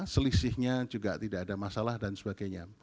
selisihnya juga tidak ada masalah dan sebagainya